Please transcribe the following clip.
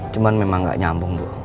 cuma memang nggak nyambung bu